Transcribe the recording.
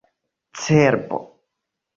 cerbo